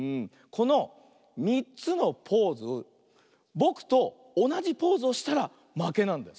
この３つのポーズぼくとおなじポーズをしたらまけなんだよ。